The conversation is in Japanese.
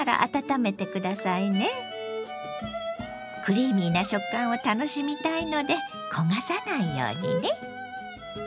クリーミーな食感を楽しみたいので焦がさないようにね。